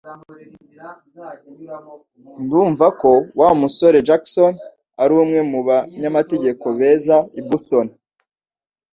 Ndumva ko Wa musore Jackson ari umwe mu banyamategeko beza i Boston